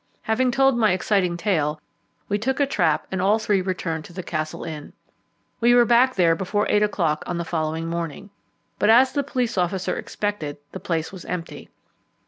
Having told my exciting tale, we took a trap and all three returned to the Castle Inn. We were back there before eight o'clock on the following morning. But as the police officer expected, the place was empty.